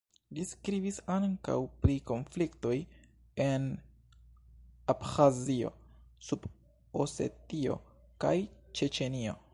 Li skribis ankaŭ pri konfliktoj en Abĥazio, Sud-Osetio kaj Ĉeĉenio.